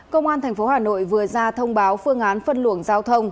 công an thành phố hà nội vừa ra thông báo phương án phân luồng giao thông